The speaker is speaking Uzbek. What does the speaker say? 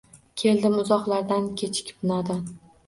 Keldim uzoqlardan kechikib nodon